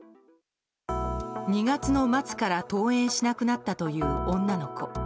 ２月の末から登園しなくなったという女の子。